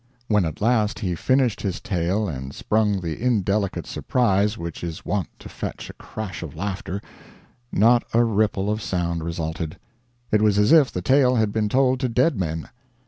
When at last he finished his tale and sprung the indelicate surprise which is wont to fetch a crash of laughter, not a ripple of sound resulted. It was as if the tale had been told to dead men.